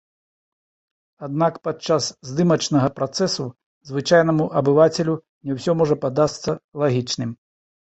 Аднак падчас здымачнага працэсу звычайнаму абывацелю не ўсё можа падасца лагічным.